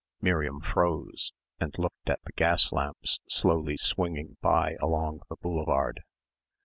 Miriam froze and looked at the gas lamps slowly swinging by along the boulevard.